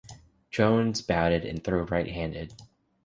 Jones batted and threw right-handed.